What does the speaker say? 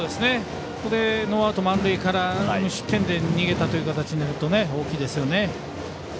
ここでノーアウト満塁から無失点で逃げたという形になると大きいですね。